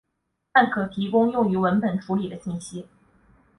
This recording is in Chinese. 但可提供用于文本处理的信息。